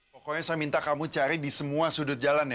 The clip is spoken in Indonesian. pokoknya saya minta kamu cari di semua sudut jalan ya